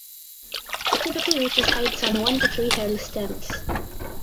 It typically reaches heights on one to three hairless stems.